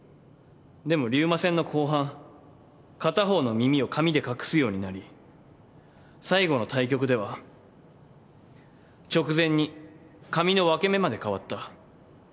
でも竜馬戦の後半片方の耳を髪で隠すようになり最後の対局では直前に髪の分け目まで変わった。